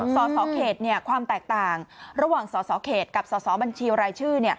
สสเขตความแตกต่างระหว่างสสเขตกับสสบัญชีรายชื่อ